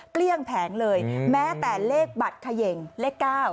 เกลี้ยงแผงเลยแม้แต่เลขบัตรเขย่งเลข๙